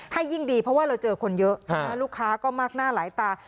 ยิ่งดีเพราะว่าเราเจอคนเยอะลูกค้าก็มากหน้าหลายตา